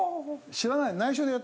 知らない。